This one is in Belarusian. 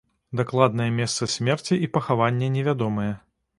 Дакладнае месца смерці і пахавання невядомыя.